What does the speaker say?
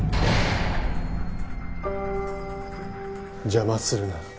邪魔するな。